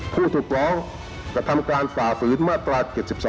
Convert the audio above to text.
ผู้ถูกร้องกระทำการฝ่าฝืนมาตรา๗๒